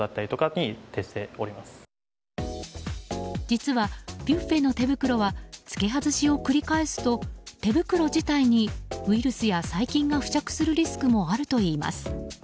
実はビュッフェの手袋は着け外しを繰り返すと手袋自体にウイルスや細菌が付着するリスクもあるといいます。